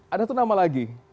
ada satu nama lagi